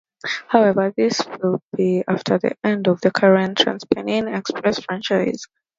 However, this will be after the end of the current TransPennine Express franchise.